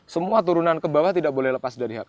semua turunan ke bawah tidak boleh lepas dari hak